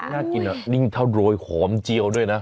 น่ากินอ่ะนี่มีข้าวโดยหอมเจียวด้วยนะ